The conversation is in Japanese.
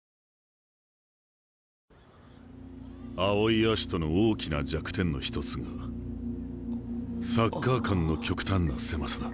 青井葦人の大きな弱点の一つがサッカー観の極端な狭さだ。